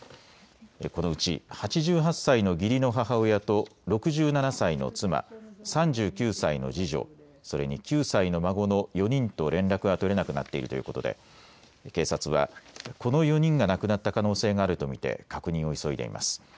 このうち８８歳の義理の母親と６７歳の妻、３９歳の次女、それに９歳の孫の４人と連絡が取れなくなっているということで警察はこの４人が亡くなった可能性があると見て確認を急いでいます。